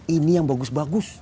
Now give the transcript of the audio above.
ini yang bagus bagus